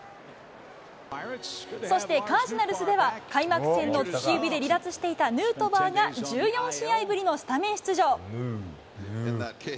そしてカージナルスでは、開幕戦の突き指で離脱していたヌートバーが１４試合ぶりのスタメン出場。